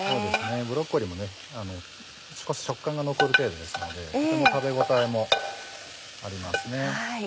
ブロッコリーも少し食感が残る程度ですのでとても食べ応えもありますね。